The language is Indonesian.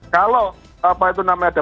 kalau apa itu namanya